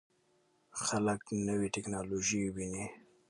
خلک نوې ټکنالوژي ویني.